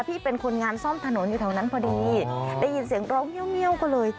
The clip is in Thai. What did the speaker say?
เป็นคนงานซ่อมถนนอยู่แถวนั้นพอดีได้ยินเสียงร้องเงียบก็เลย